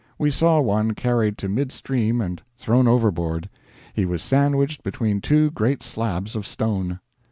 We saw one carried to mid stream and thrown overboard. He was sandwiched between two great slabs of stone.